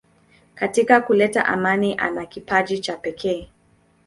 Katika kuleta amani ana kipaji cha pekee.